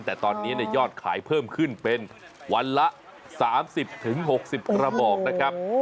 แต่ตอนนี้ยอดขายเพิ่มขึ้นเป็นวันละ๓๐๖๐กระบอกนะครับ